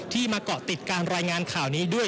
มาเกาะติดการรายงานข่าวนี้ด้วย